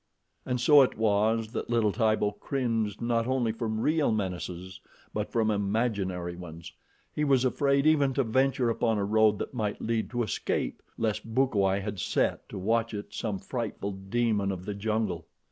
And so it was that little Tibo cringed not only from real menaces but from imaginary ones. He was afraid even to venture upon a road that might lead to escape, lest Bukawai had set to watch it some frightful demon of the jungle.